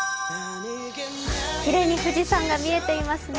きれいに富士山が見えていますね。